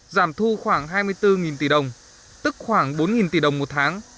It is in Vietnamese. giảm thu khoảng hai mươi bốn tỷ đồng tức khoảng bốn tỷ đồng một tháng